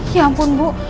ya ampun bu